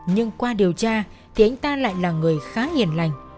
nhưng qua điều tra thì anh ta lại là người khá hiển lành